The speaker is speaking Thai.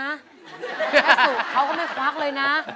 แม่สุเขาก็ไม่ควักเลยนะ